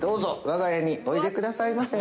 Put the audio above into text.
わが家においでくださいませ。